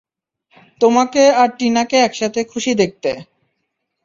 তোমাকে আর টিনাকে একসাথে খুশি দেখতে।